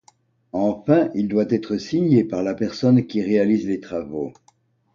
Enfin, il doit être signé par la personne qui réalise les travaux.